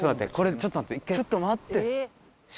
ちょっと待って。